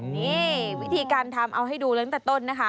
นี่วิธีการทำเอาให้ดูเลยตั้งแต่ต้นนะคะ